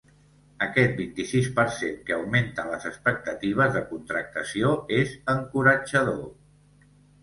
Aquest vint-i-sis per cent que augmenten les expectatives de contractació és encoratjador.